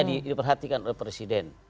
yang diperhatikan oleh presiden